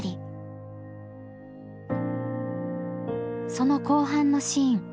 その後半のシーン。